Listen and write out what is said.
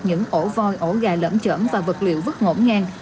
những ổ voi ổ gà lẫm chởm và vật liệu vứt ngỗ ngang